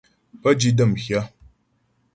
Pə́ di də́ m hyâ.